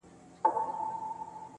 يو ما و تا.